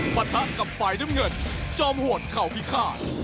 ปะทะกับฝ่ายน้ำเงินจอมโหดเข่าพิฆาต